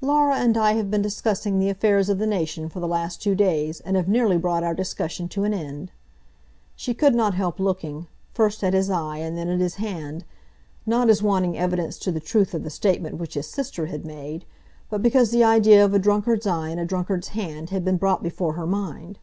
"Laura and I have been discussing the affairs of the nation for the last two days, and have nearly brought our discussion to an end." She could not help looking, first at his eye and then at his hand, not as wanting evidence to the truth of the statement which his sister had made, but because the idea of a drunkard's eye and a drunkard's hand had been brought before her mind.